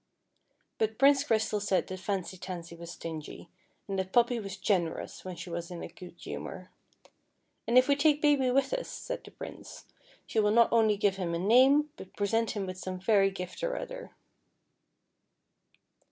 But Prince Crystal said that Fancy Tansy was stingy, and that Poppy was generous when she was in a good humour; "and if we take Baby with us," said the Prince, " she will not only give him a name, but present him with some fairy gift or other."